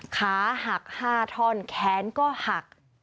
ขาหัก๕ท่อนแขนก็หัก